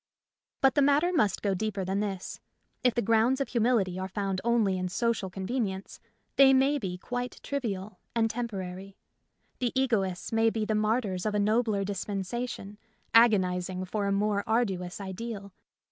But the matter must go deeper than this. If the grounds of humility are found only in social convenience, they may be quite trivial and temporary. The egoists may be the martyrs of a nobler dispensation, agonizing for a more arduous ideal.